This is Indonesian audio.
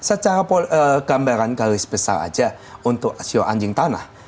secara gambaran garis besar saja untuk sio anjing tanah